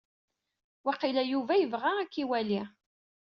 Waqila Yuba ibɣa ad ak-iwali.